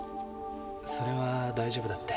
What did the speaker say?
それは大丈夫だって。